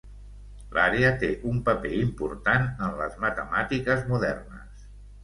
L'àrea té un paper important en les matemàtiques modernes.